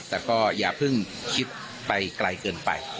แต่ก็อย่าเพิ่งคิดไปไกลเกินไป